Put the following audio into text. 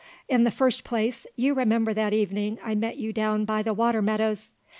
In the first place, you remember that evening I met you down by the water meadows.